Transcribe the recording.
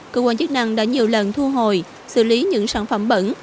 cơ quan chức năng đã nhiều lần thu hồi xử lý những sản phẩm bẩn